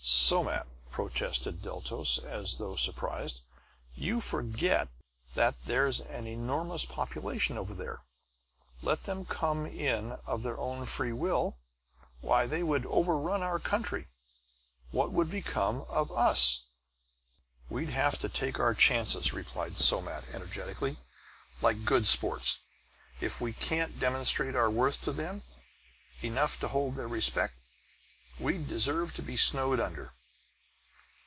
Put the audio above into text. "Somat," protested Deltos, as though surprised, "you forget that there's an enormous population over there. Let them come in of their own free will? Why, they would overrun our country! What would become of us?" "We'd have to take our chances, replied Somat energetically, "like good sports! If we can't demonstrate our worth to them, enough to hold their respect, we'd deserve to be snowed under!"